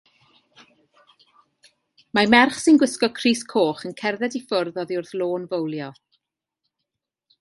Mae merch sy'n gwisgo crys coch yn cerdded i ffwrdd oddi wrth lôn fowlio.